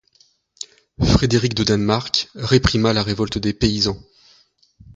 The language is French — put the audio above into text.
Frédéric de Danemark réprima la révolte des paysans.